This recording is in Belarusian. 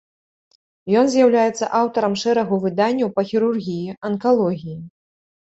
Ён з'яўляецца аўтарам шэрагу выданняў па хірургіі, анкалогіі.